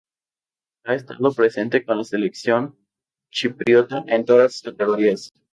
Ha estado presente con la selección chipriota en todas sus categorías.